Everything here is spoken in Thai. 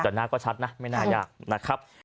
แต่หน้าก็ชัดนะไม่น่ายากนะครับ